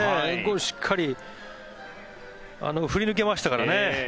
しっかり振り抜けましたからね。